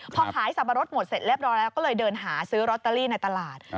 พอขายสับปะรดหมดเสร็จเรียบร้อยแล้วก็เลยเดินหาซื้อลอตเตอรี่ในตลาด